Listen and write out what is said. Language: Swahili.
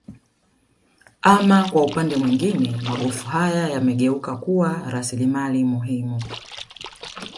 Ama kwa upande mwingine magofu haya yamegeuka kuwa rasilimali muhimu